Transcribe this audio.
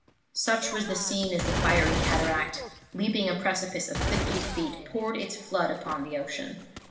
"Such was the scene as the fiery cataract, leaping a precipice of fifty feet, poured its flood upon the ocean.